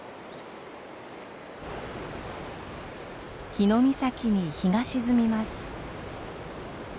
日御碕に日が沈みます。